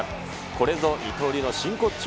これぞ二刀流の真骨頂。